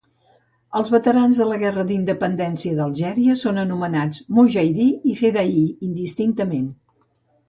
Els veterans de la guerra d'independència d'Algèria són anomenats mujahidí i fedaí indistintament.